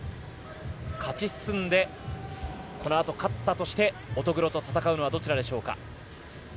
勝ち進んでこのあと勝ったとして乙黒と戦うのはどちらでしょうか。